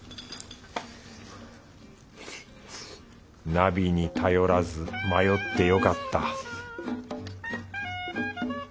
ナビに頼らず迷ってよかった